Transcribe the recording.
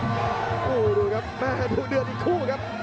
โอ้โหดูครับแม่ดูเดือดอีกคู่ครับ